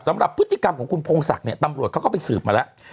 สำหรับพฤติกรรมของคุณพงศักดิ์เนี่ยตำรวจเขาก็ไปสืบมาแล้ว